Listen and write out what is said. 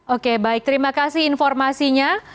oke baik terima kasih informasinya